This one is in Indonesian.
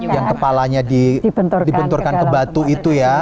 yang kepalanya dibenturkan ke batu itu ya